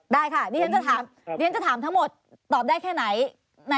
ได้ค่ะเรียนจะถามทั้งหมดตอบได้แค่ไหน